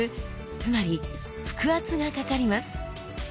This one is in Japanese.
つまり腹圧がかかります。